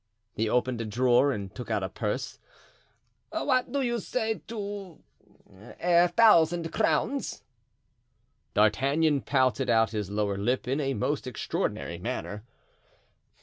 He opened a drawer and took out a purse. "What do you say to a thousand crowns?" D'Artagnan pouted out his lower lip in a most extraordinary manner.